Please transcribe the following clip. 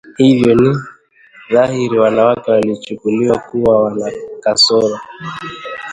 Hivyo ni dhahiri wanawake walichukuliwa kuwa wana kasoro